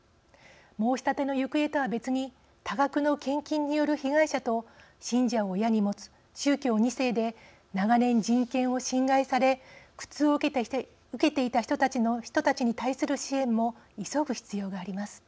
申し立ての行方とは別に多額の献金による被害者と信者を親に持つ宗教２世で長年人権を侵害され苦痛を受けていた人たちに対する支援も急ぐ必要があります。